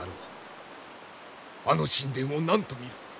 あの神殿を何と見る！